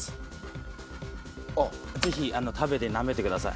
ぜひ食べてなめてください。